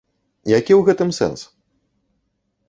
Які ў гэтым сэнс?